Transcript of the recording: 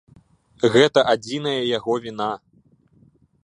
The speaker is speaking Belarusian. Гэта адзіная яго віна.